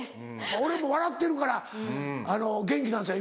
俺も笑ってるから元気なんですよ